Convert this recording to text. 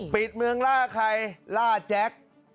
ปิดเมืองล่าใครล่าแจ็ค